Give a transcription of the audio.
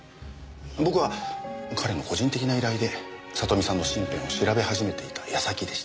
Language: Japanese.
僕は彼の個人的な依頼で聡美さんの身辺を調べ始めていた矢先でした。